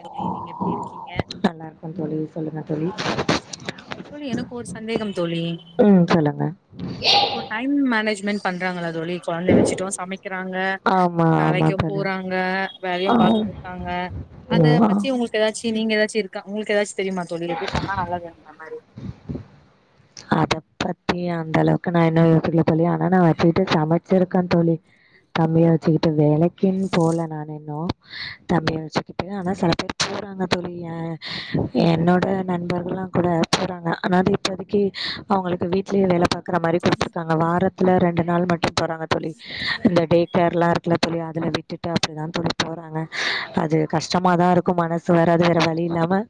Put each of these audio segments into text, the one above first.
ஏன் தோழி நீங்க எப்டி இருக்கீங்க அ தோழி சொல்லுங்க தோழி தோழி எனக்கு ஒர் சந்தேகம் தோழி ம் சொல்லுங்க இப்போ டைம் மேனேஜ்மெண் பண்றாங்களா தோழி ‌கொழந்த வச்சுட்டு சமைக்குறாங்க ஆமா ஆமா வேலைக்கு தோழி போறாங்க வேலையு ஆ பாத்துட்ருக்காங்க அத ம் பத்தி உங்ளுக் எதாச்சு நீங்க எதாச்சு இருக்கா உங்ளுக்கு எதாச்சு தெரிமா தோழி எப்டி பண்ணா நல்லதுன்ற மாரி அத பத்தி அந்த அளவுக்கு நா இன்னு யோசிக்ல தோழி ஆனா நா வச்சுக்கிட்டு சமச்சிருக்கன் தோழி தம்பிய வச்சுக்கிட்டு வேலைக்கின் போல நானு இன்னு தம்பிய வச்சுக்கிட்டு ஆனா செல பேர் போறாங்க தோழி எ என்னோட நண்பர்குலா கூட போறாங்க ஆனா அது இப்போதைக்கி அவுங்குளுக்கு வீடலே வேல பாக்குற மாரி குடுத்துருக்காங்க வாரத்துல ரெண்டு நாள் மட்டு போறாங்க தோழி இந்த டே கேர்லா இருக்குல தோழி அதுல விட்டுட்டு அப்டிதா தோழி போறாங்க அது கஷ்டமாதா இருக்கும் மனஸ் சு வேற அது வேற வழி இல்லாம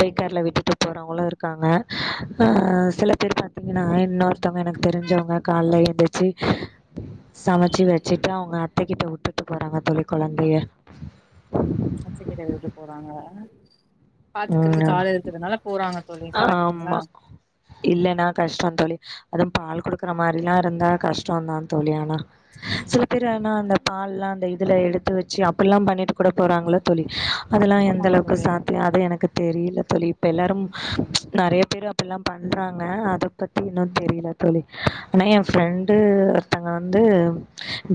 டேகேர்ல விட்டுட்டு போறவ்ங்குளு இருக்காங்க அ சில பேர் பாத்தீங்குனா இன்னொர்த்தவ்ங்க எனக்கு தெரிஞ்சவ்ங்க கால்ல எந்துச்சு சமச்சு வச்சுட்டு அவ்ங்க அத்தகிட்ட உட்டுட்டு போறாங்க தோழி கொழந்தைய அத்தகிட்ட விட்டு போறாங்க பாத்துக்குறதுக்கு ம் ஆல் இருக்றதுனால போறாங்க தோழி கரெக்ட்டுங்ளா இல்லனா கஷ்டோந்தோழி அதும் பால் குடுக்குற மாரிலா இருந்தா கஷ்டோந்தா தோழி ஆனா சிலபேரு ஆனா அந்த பால்லா அந்த இதுல எடுத்து வச்சு அப்பில்லா பண்ணிட்டு கூட போறாங்குல தோழி அதெல்லா எந்த ஆமாங்க அளவுக்கு தோழி சா தியோ அது எனக்கு தெரில தோழி இப்ப எல்லாரும் நெறைய பேரு அப்பில்லாம் பண்றாங்க அத பத்தி இன்னு தெரில தோழி ஆனா என் ஃபிரெண்டு ஒருத்தவ்ங்க வந்து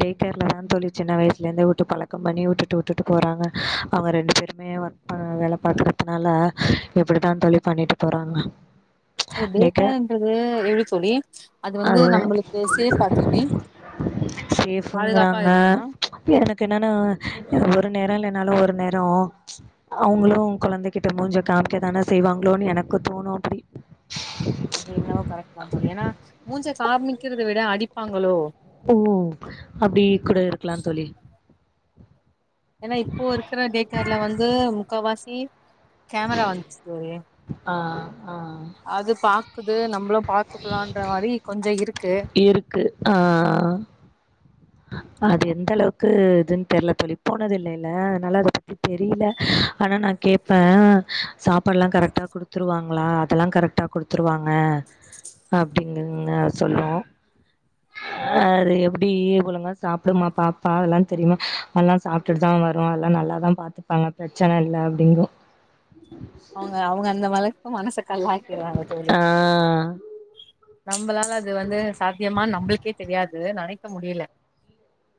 டேகேர்லதா தோழி சின்ன வய்சுல இர்ந்தே உட்டு பழக்கம் பண்ணி உட்டுட்டு உட்டுட்டு போறாங்க அவ்ங்க ரெண்டு பேருமே வ அ வேல பாக்குறதுனால இப்புடிதா தோழி பண்ணிட்டு போறாங்க அது டேகேர்ன்றது எப்டி தோழி அது வந்து நம்முளுக்கு சேஃபா தோழி பாதுகாப்பா சேஃபுங்கிறாங்க இருக்குமா எனக்கு என்னனா எ ஒரு நேரோ இல்லனாலு ஒரு நேரோ அவுங்குளு குழந்தகிட்ட மூஞ்ச காம்ய்க்கதான செய்வாங்ளோன்னு எனக்கு தோணு அப்புடி அது என்னவோ கரெக்ட்தா தோழி ஏனா மூஞ்சை காமிக்கிறத விட அடிப்பாங்களோ ஓ அப்டி கூட இருக்லா தோழி ஏனா இப்போ இருக்கிற டேகேர்ல வந்து முக்காவாசி கேமரா வந்துச் தோழி ஆ ஆ அது பாக்குது நம்ப்ளு பாத்துக்குலான்ற மாரி கொஞ்சோ இருக்கு இருக்கு ஆ அது எந்த அளவுக்கு இதுன் தெர்ல தோழி போனதில்லைல அதனால அத பத்தி தெரியல ஆனா நா கேட்பே சாப்பாட்லா கரெக்டா குடுத்துருவாங்ளா அதெல்லா கரெக்டா குடுத்துருவாங்க அப்டிங்குங்க சொல்லுவோ அது எப்டி ஒழுங்கா சாப்டுமா பாப்பா அதெல்லா தெரியுமா நல்லா சாப்ட்டுட்டுதா வருவால நல்லாதா பாத் துப்பாங்க ப்ரச்சன இல்லை அப்டிங்கு அவுங்க அவுங்க அந்த மனச மனச கல்லாக்கிறாங்க தோழி ஆ நம்பளால அது வந்து சாத்தியமா நம்ளுக்கே தெரியாது நனைக்க முடில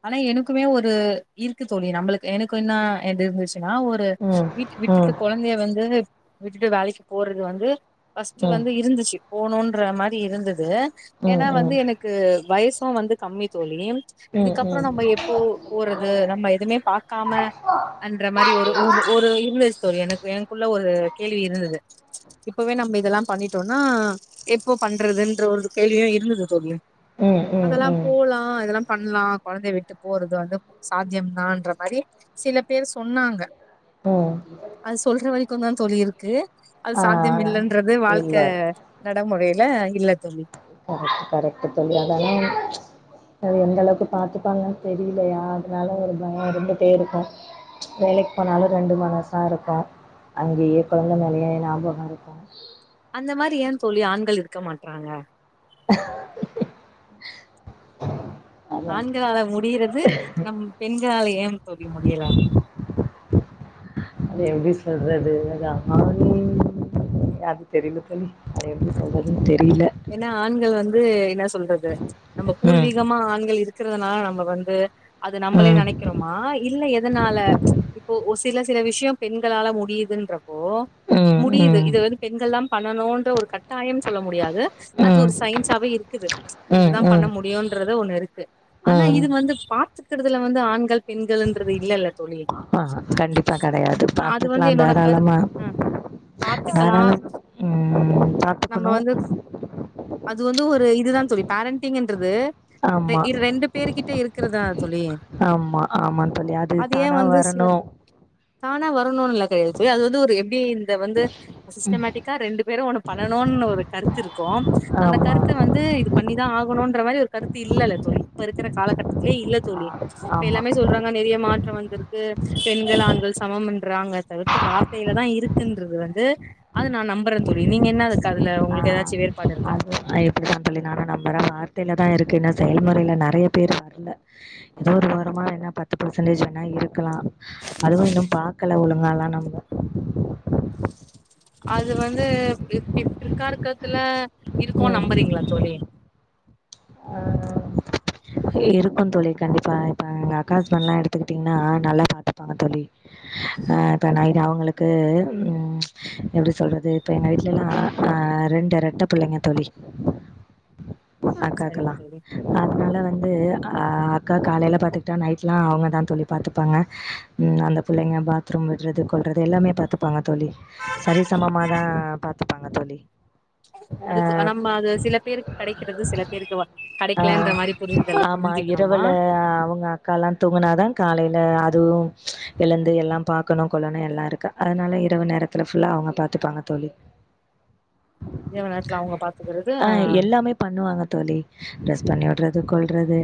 ஆனா எனக்குமே ஒரு இருக்கு தோழி நம்ளுக்கு எனக்கு என்ன எது இருந்துச்சுன்னா ஒரு டு ம் விட் விட்டுட்டு ம் குழந்தைய வந்து விட்டுட்டு வேலைக்கு போறது வந்து ஃபஸ்ட்டு ம் வந்து இருந்துச்சு போணுன்ற மாரி இருந்தது ம் எனா வந்து ம் எனக் கு வய்சு வந்து கம்மி தோழி ம் ம் இதுக்கப்புறோ நம்ம எப்போ போறது நம்ம எதுமே பாக்காம அன்ற மாரி ஒரு ஒரு ஒரு இருந்துச்சு தோழி எனக்கு எனக்குள்ள ஒரு கேள்வி இருந்தது இப்பவே நம்ம இதல்லா பண்ணிட்டோனா எப்போ பண்றதுன்ற ஒரு கேள்வியு இருந்தது தோழி ம் ம் அதல்லா ம் போலா இதெல்லா பண்ணலா கொழந்தைய விட்டு போறது வந்து சாத்தியம்தான்ற மாரி சில பேர் சொன்னாங்க அ அது சொல்ற வரிக்குதா தோழி இருக்கு அது ஆ சாத்தியம் இல்லன்றது வாழ்க்க இல்ல நடமுறைல இல்ல தோழி கரெக்ட் கரெக்ட்டு தோழி அதானா அது எந்த அளவுக்கு பாத்துப்பாங்கன் தெரிலையா அதனால ஒரு பயோ இருந்துட்டே இருக்கு வேலைக் போனாலு ரெண்டு மனசா இருக்கு அங்கயே கொழந்த மேலயே ஞாபகோ இருக்கு அந்த மாதிரி ஏ தோழி ஆண்கள் இருக்க மாட்றாங்க [inaudible] ஆண்களால முடிறது நம் பெண்களால ஏ தோழி முடியல அது எப்டி சொல்றது‌‌ அது ஆண் அது தெரில தோழி அது எப்டி சொல்றதுன் தெரில எனா ஆண்கள் வந்து என்ன சொல்றது நம்ம ம் பூர்வீகமா ஆண்கள் இருக் றதுனால நம்ம வந்து அது நம்பளே ம் நனைக்கிறோமா இல்ல எதனால இப்போ ஒரு சி சில சில விஷ் யோபெண்களால முடியுதுன்றப்போ ம் முடிது ம் இத வந்து பெண்கள்லா பண்ணணுன்ற ஒரு கட்டாயம் சொல்ல முடியாது அது ம் ஒரு சயின்ஸாவே இருக்குது ம் இதுதா பண்ண ம் முடியுன்றது ஒன்னு இருக் ஆனா ம் இதுல வந்து பாத்துக்கறதுல வந்து ஆண்கள் பெண்களுன்றது இல்லல்ல தோழி ஆ கண்டிப்பா கடையாது அ அது வந்து பாத்துக்லா என்னோட கருத்து தாராளமா ஆ பாத்துக்கலா தாராளமா ம் நம்ம பாத்துக்கணு வந்து அது வந்து ஒரு இதுதா தோழி பேரண்டிங்குன்றது ரெ ஆமாம் ர் ரெண்டு பேருகிட்ட இருக்கற்தா தோழி ஆமா ஆமான் தோழி அது அதுதானா ஏன் வந்து சில வரணு தானா வரணுன்ல கையெழுத்து அது வந்து ஒரு எப்டி இந்த வந்து சிஸ்டமேட்டிக்கா ரெண்டு பேரு ஒன்னு பண்ணணுன் ஒரு கருத்து இருக்கு அந்த ஆமாம் கருத் த்து வந்து இது பண்ணிதா ஆகணுன்ற மாரி ஒரு கருத்து இல்லல்ல தோழி. இப்ப இருக்கிற காலகட்டத்திலயே இல்ல ஆ தோழி. இப்ப ஆமாம் எல்லாமே சொல்றாங்க நிறைய மாற்றம் வந்திருக்கு. பெண்கள், ஆண்கள் சமம்ண்றாங்க தவித்து வார்த்தையில தான் இருக் குன்றது வந்து அது நா நம்புறேன் தோழி. நீங்க எண்ணாருக்கு அதுல உங்களுக்கு எதாச்சு வேறுபாடுருக்கா. ஆ இப்புடித்தா தோழி நானு நம்புறே வார்த்தையில தா இருக்கு, என்னா செயல்முறையில நெறைய பேர் வர்ல. எதோ ஒரு ஓரமா வேணா பத்து பர்சன்டேஜ் வேணா இருக்கலா அதுவு இன்னு பாக்கல ஒழுங்காலா நம்ப அது வந்து பிற் பிற்கார்கத்துல இருக்குனு ம் நம்புறீங்களா தோழி [inaudible] இருக்கும் தோழி கண்டிப்பா இப்ப எங்க அக்கா ஹஸ்பன்லா எடுத்துக்கிட்டீங்ன்னா நல்லா பார்த்துப்பாங்க தோழி ஆ இப்ப நைன் அவுங்களுக்கு உம் எப்டி சொல்றது இப்ப எங்க வீட்லலா ஆ ரெண்டு ரெட்ட பிள்ளைங்க தோழி. [inaudible] இருக்கலா தோழி ஆ அதுனால வந்து அ அக்கா காலேயில பாத்துக்கிட்டா நைட்லா அவங்கதா தோழி பாத்துப்பாங்க ம் அந்த பிள்ளங்க பாத்ரூம் விட்றது கொல்றது எல்லாமே பாத்துப் பாங்க தோழி சரிசமமாதா பாத்துப்பாங்க தோழி. அதுக்கு அநம்ம அது சில பேருக்கு கெடைக்கிறது சில பேருக்கு வ ஆ ஆமா இரவுல அவுங்க அக்காலா தூங்குனாதா காலேல அதுவு எழுந்து எல்லா பாக்கணு கொள்ளனு எல்லா இருக்கா அதனால இரவு நேரத்துல ஃபுல்லா அவங்க பாத்துப்பாங்க தோழி இரவுநேரத்துல அவுங்க பாத்துக்கிறது ஆ பண்ணுவாங்க தோழி ட்ரெஸ் பண்ணி விடுறது கொல்றது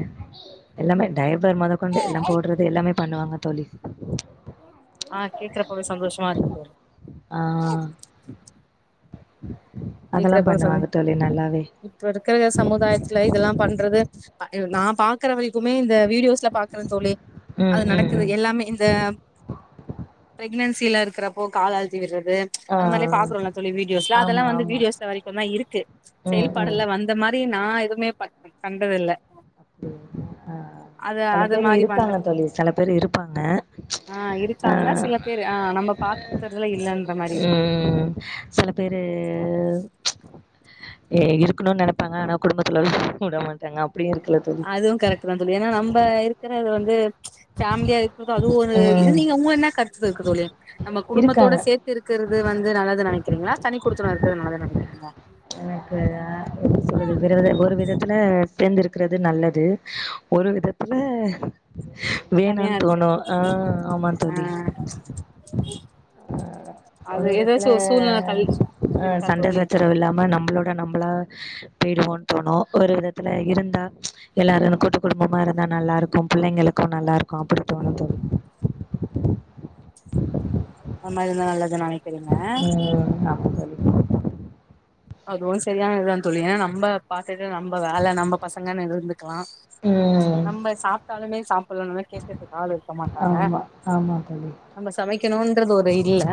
எல்லாமே டைபர் மொத கொண்டு எல்லா போடுறது எல்லாமே பண்ணுவாங்க தோழி ஆ கேக்குறப்பவே சந்தோஷமா இருக்கு தோழி ஆ அதெல்லாம் கேக்றப்பவே சமி பண்ணுவாங்க தோழி நல்லாவே. இப்ப இருக்க சமுதாயத் ல இதெல்லா பண்றது நா பாக் கற வரைக்குமே இந்த வீடியோஸ்ல பாக்குறே தோழி அது ம் ம் நடக்குது ம். எல்லாமே இந்த பிரெக்னன்சில இருக்கிறப்போ கால் அழுதி விடுறது ஆ அந்த மாரில பாக்றோல்ல தோழி வீடியோஸ்ல ஆமா அதெல்லா வந்து ஆமா. வீடியோஸ்ல வரைக்குந்தா இருக்கு ம் ம். செயல்பாடுல வந்த மாரி நா எதுவுமே பன் கண்டது இல்ல ஆ ஆ அது செல அது பேர் மாரி பண்ற இருப்பாங்க தோழி செல பேர் இருப்பாங்க அ சேர் ஆ நம்ம பாத்துறதுலா இல்லனு உம் சில பேரு ஏ இருக்கணுனு நெனப்பாங்க ஆனா குடும்பத்துல விட மாட்டாங்க அப்டியே இருக்குலது அதுவு கரெக்ட் தா தோழி ஏன்னா நம்ப இருக்கிறது வந்து ஃபேமிலியா இருக்கிறதோ அது ஒரு இது ம் நீங்க உங்க என்ன கருத்து இருக்கு தோழி நம்ம குடும்பத்தோட இருக்காங்க. சேத் ருக்குறது வந்து நல்லது நெனைக்கிறீங்களா தனி குடுத்தன இருக்கிற நல்லது நெனக்கிறீங்களா எனக்கு அ சொல்றது ஒரு வித ஒரு விதத்துல சேந்திருக்கிறது நல்லது ஒரு விதத் அ [inaudible] வேணான் இருக்கு தோணு ஆ ஆமாங் ஆ தோழி அது ஒரு விதத்துல ஏதாச்சு ஒரு சூழ்நில தள்ளி அ இருக்கா சண்ட தோழி சச்சரவு இல்லாம நம்ம நம்பளோட நம்பளா போய்டுவோன்னு தோணு ஒரு விதத்துல இருந்தா எல்லாருனு கூட்டு குடும்பமா இருந்தா நல்லா ருக்கும் பிள்ளைங்களுக்கும் நல்லா இருக்குமஅப்டித்தோணு தோழி அந்த மாரி இருந்தா நல்லது நானே ம் ஆமா தோழி அதுவு சரியான இதுதா தோழி ஏனா நம்ம பாத்தட்டு நம்ம வேலை நம்ம பசங்கன்னு இருந்துக்கலா ம் நம்ம சாப்டாலுமே சாப்பிலனாலு கேக்குறதுக்கு ஆள் இருக்க மாட்டாங்க ஆமா ஆமா தோழி நம்ம சமைக்கணுன்றது ஒரு இல்ல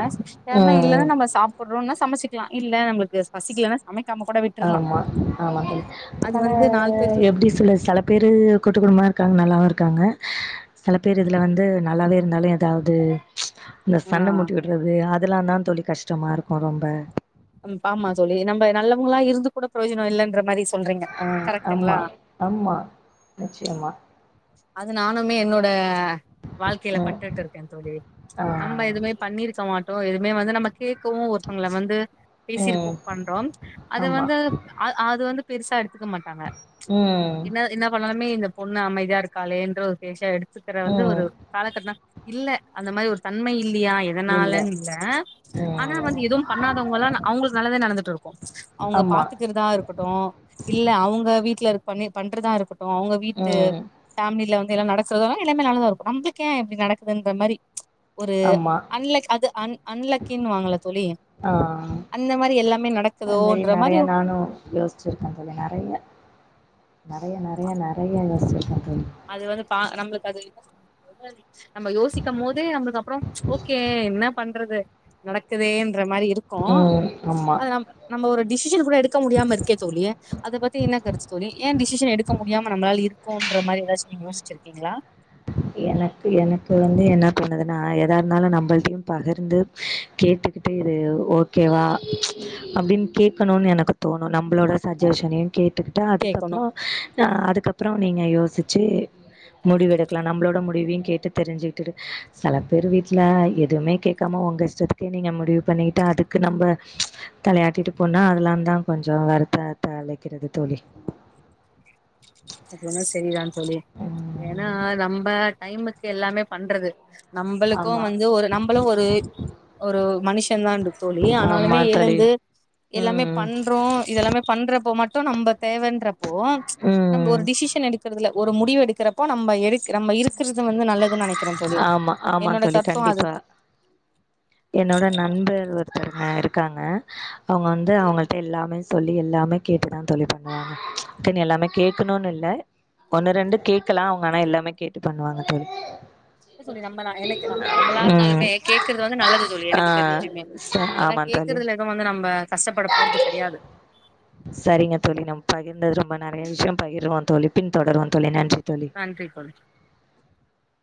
யாருனா இல்ல ம் நம்ம சாப்டுறோம்னா சமைச்சிக்கலா இல்ல நம்மளுக்கு பசிக்கிலனா சமைக்காமக்கூட விட் ஆமா ஆமாங்க தோழி தல வந்து நாலு பேரு எப்டி சொல்லு செல பேரு கூட்டு குடும்மமா இருக்காங்க நல்லாவு இருக்காங்க செல பேர் இதுல வந்து நல்லாவே இருந்தாலு எ தாவ்து இச் இந்த ஆ சண்ட மூட்டிவுட்றது அதெலா தா தோழி கஷ்டமா ருக்கு ரொம்ப ம் ஆம்மா தோழி நம்ம நல்லவங்களா இருந்து கூட பிரயோஜன இல்லன்ற மாரி சொல்றீங்க ஹா ஆமா கரெக்ட்டுங்களா ஆமா நிச்சயமா அது நானுமே என்னோட வாழ்க்கைல ம் பட்டுட்டு இருக்கே தோழி ஆ நம்ம எதுமே பண்ணிருக்க மாட்டோ எதுமே வந்து நம்ம கேட்கவு ஒருத்தவுங்கள வந்து பேசிருக்கோ ம் பண்றோ அது ஆமா வந்துப் ப அ அது வந்து பெருசா எடுத்துக்க மாட்டாங்க ம் என்ன என்ன பண்ணாலுமே இந்த பொண்ணு அமைதி இருக்காளே என்ற ஒரு பேசா எடுத்துக்கிற வந்து ம் ஒரு காலகட்ட தா இல்ல அந்த மாரி ஒரு தன்மை இல்லீயா அதனாலனு இல்ல ஆனா ம் வந்து எதும் பண்ணாதவங்கல்லா நா அவுங்களுக்கு நல்லதே நடந்துட்டு ருக்கு அவுங்க ஆமா பாத்துக்கிறதா ருக் இருக்கட்டு இல்ல அவுங்க வீட்ல இருப்பமே பண்றதா இருக்கட்டு அவுங்க வீட்டு ம் ஃபேமில வந்து எல்லா நடக்கறதா எல்லாமே நல்லதா இருக்கு நம்மளுக்கு ஏன் இப்டி நடக்குதுன்ற மாரி ஒரு ஆமா அன்லக் அது அன் அன்லக்கினு வாங்கள தோழி ஆ அந்த மாரி எல்லாமே அது மாரி நடக்குதோன்ற நெறைய நானு யோசிச்சிருக்கே தோழி நெறைய நெறைய நெறைய நெறைய யோசிச்சிருக்கே தோழி அது வந்து பா நம்மளுக்கு அது என்ன சொல்றது நிம்மதி நம்ம யோசிக்க போதே அவுங்களுக்கு அப்பறோ ஓகே என்ன பண்றது நடக்குதேன்ற மாரி இருக் கோ ம் ஆமா அது நம் நம்ம ஒரு டிசிஷன் கூட எடுக்க முடியாம இருக்கே தோழி அத பத்தி இன்ன கருத்துதோழி ஏன் டிசிஷன் எடுக்க முடியாம நம்மளால் இருக்கு கோன்ற மாரி ஏதாச்சு நீங்க யோசிச்சிருக்கீங்களா எனக்கு எனக்கு வந்து என்ன பண்ணுதுன்னா எதா இருந்தாலு நம்மள்டையு பகிர்ந்து கேட்டு இப்ப இது ஓகேவா அப்டின்னு கேட்கணுனு எனக்கு தோணு நம்மளோட சஜஷனையு கே ட்டுகிட்டு கேட்கணும் அதுக்கப்பறோ அதுக்கப்பறோ நீங்க யோசிச்சு முடிவு எடுக் கிலா நம்மளோட முடிவையு கேட்டு தெரிசிட்ட்டு செல பேர் வீட்ல எதுமே கேட்காம உங்க இஷ்டத்துக்கே நீங்க முடிவு பண்ணிட்டா அதுக்கு நம்ம தலையாட்டிட்டு போனா அதெலா தா கொஞ்சோ வருத்த த அழைக்கிறது தோழி அதுவேன செரிதா தோழி ஏனா ம் நம்ம டைமுக்கு எல்லாமே பண்றது நம்மளுக்கு ஆமா வந்து ஒரு நம்மளு ஒரு ஒரு மனுஷன் தா அண்டு தோழி ஆமா ஆனாலுமே தோழி எழுந்து எல்லாமே ம் பண்றோ இத எல்லாமே பண்றப்போ மட்டு நம்ம தேவையின்றப்போ ஒரு ம் டிசிஷன் எடுக்கறதுல ஒரு முடிவு எடுக்கிறப்போ நம்ம எடு நம்ம இருக் கிறது வந்து நல்லதுனு நெனைக்கிறே தோழி ஆமா ஆமா என்னோட தோழி சட்டோ அது கண்டிப்பா என்னோட நண்பர் ஒருத்தருங்க இருக்காங்க அவுங்க வந்து அவுங்கள்ட்ட எல்லாம சொல்லி எல்லாமே கேட்டுதா தோழி பண்ணுவாங்க அதுக்குனு எல்லாமே கேக்கணுனு இல்ல ஒன்னு ரெண்டு கேக்கலா அவுங்க எல்லாமே கேட்டு பண்ணுவாங்க தோழி இல்ல தோழி நம்ம நா என்னக்கு இப்ப நம்பளா ம் இருந்தாலுமே கேக்குறது வந்து நல்லது தோழி ஆ எனக்கு தெரிஞ்சுமே ச ஏன்னா ஆமா தோழி கேக்குறதுல எதும் வந்து நம்ம கஷ்டப்பட போறது கடையாது சரிங்க தோழி நம்ம பகிர்ந்தது ரொம்ப நறைய விஷயம் பகிர்வோ தோழி பின்தொடருவோ சேரி நன்றி தோழி